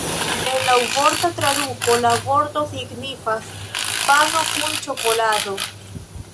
En laŭvorta traduko la vorto signifas "pano kun ĉokolado".